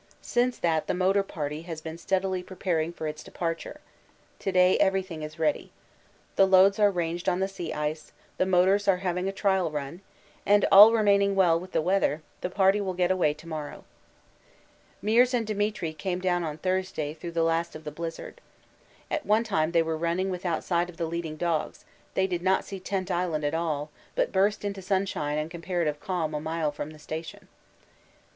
Since that the Motor Party has been steadily preparing for its departure. To day everything is ready. The loads are ranged on the sea ice, the motors are having a trial run, and, all remaining well with the weather, the party will get away to morrow. Meares and Demetri came down on Thursday through the last of the blizzard. At one time they were running without sight of the leading dogs they did not see Tent Island at all, but burst into sunshine and comparative calm a mile from the station.